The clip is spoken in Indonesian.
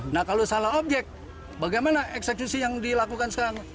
nah kalau salah objek bagaimana eksekusi yang dilakukan sekarang